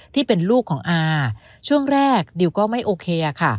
ที่เป็นลูกของอาช่วงแรกดิวก็ไม่โอเคค่ะ